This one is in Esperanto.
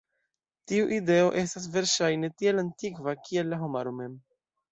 Tiu ideo estas, verŝajne, tiel antikva, kiel la homaro mem.